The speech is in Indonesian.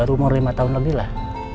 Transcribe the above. umur lima tahun lebih lah